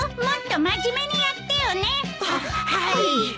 もっと真面目にやってよね！ははい。